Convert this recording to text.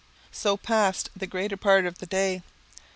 So passed the greater part of the day.